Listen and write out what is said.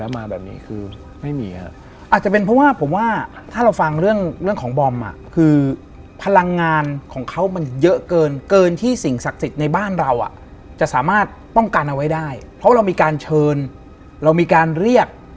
เราก็จะต้องไปดูบ้านตัวอย่าง